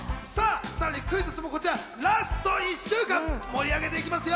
さぁ、クイズッスもラスト１週間、盛り上げていきますよ！